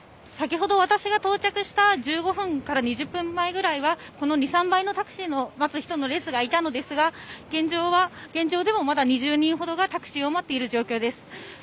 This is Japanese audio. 先ほど私が到着した１５分から２０分ほど前にはこの２３倍のタクシーを待つ人の列があったんですが現状ではまだ２０人ほどがタクシーを待っている状況です。